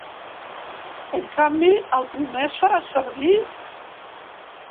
En canvi, el primer es farà servir?